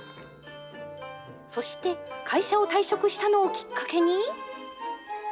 そして、会社を退職したのをきっかけに。